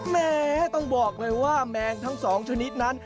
แม้ต้องบอกเลยว่าแมงทั้ง๒ชนิดนั้น